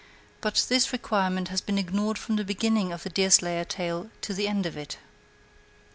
But this requirement has been ignored from the beginning of the Deerslayer tale to the end of it. 6.